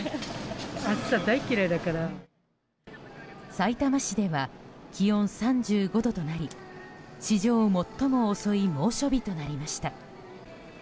さいたま市では気温３５度となり史上最も遅い猛暑日となりました。